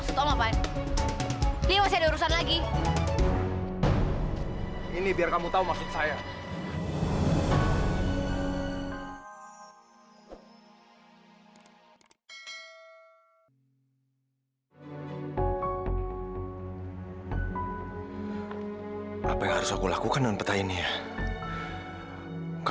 sampai jumpa di video selanjutnya